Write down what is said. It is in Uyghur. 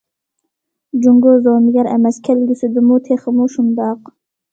جۇڭگو زومىگەر ئەمەس، كەلگۈسىدىمۇ تېخىمۇ شۇنداق.